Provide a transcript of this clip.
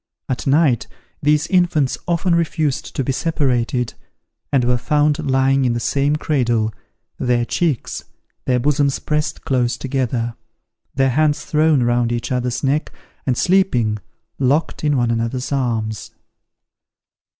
At night these infants often refused to be separated, and were found lying in the same cradle, their cheeks, their bosoms pressed close together, their hands thrown round each other's neck, and sleeping, locked in one another's arms.